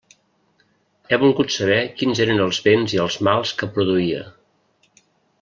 He volgut saber quins eren els béns i els mals que produïa.